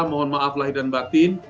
mohon maaf lahir dan batin